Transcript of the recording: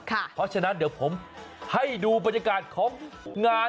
เพราะฉะนั้นเดี๋ยวผมให้ดูบรรยากาศของงาน